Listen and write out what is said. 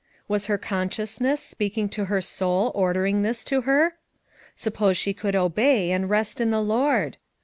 Was her consciousness speaking to her soul order ing this to her? Suppose she could obey and "rest in the Lord?"